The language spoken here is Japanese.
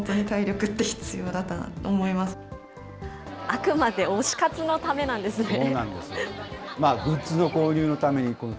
あくまで推し活のためなんですね。